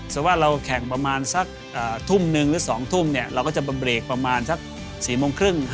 แต่ว่าเราแข่งประมาณสักทุ่มหนึ่งหรือ๒ทุ่มเราก็จะมาเบรกประมาณสัก๔โมงครึ่ง